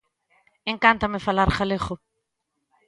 Encántame falar galego